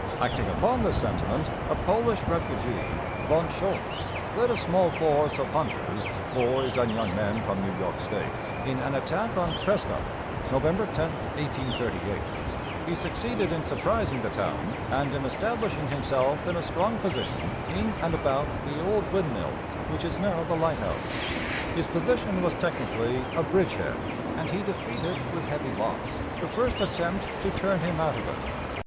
Acting upon this sentiment, a Polish refugee, Von Shoultz, led a small force of 'Hunters,' boys and young men from New York State, in an attack on Prescott, November 10, 1838. He succeeded in surprising the town and in establishing himself in a strong position in and about the old windmill, which is now the lighthouse. His position was technically a 'bridge head,' and he defeated with heavy loss the first attempt to turn him out of it.